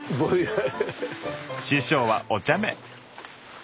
師匠はおちゃめ。